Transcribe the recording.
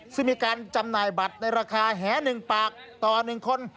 ซึ่งมีการจำหน่ายบัตรในราคาแหหนึ่งปากต่อหนึ่งคน